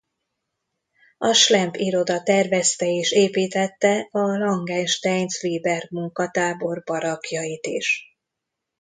A Schlempp-iroda tervezte és építette a Langenstein-Zwieberge munkatábor barakkjait is.